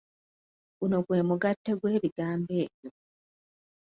Guno gwe mugattte gw'ebigamba ebyo.